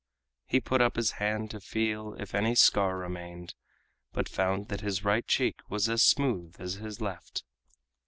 He put up his hand to feel if any scar remained, but found that his right cheek was as smooth as his left.